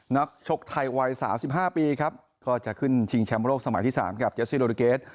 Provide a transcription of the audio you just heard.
ชกไทยวัย๓๕ปีครับก็จะขึ้นชิงแชมป์โลกสมัยที่๓กับเจสซี่โลดิเกส